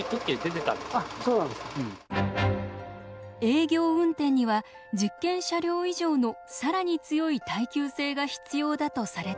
営業運転には実験車両以上の更に強い耐久性が必要だとされたのです。